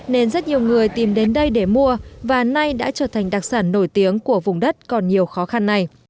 nên rất nhiều người tìm đến đây để mua và nay đã trở thành đặc sản nổi tiếng của vùng đất còn nhiều khó khăn này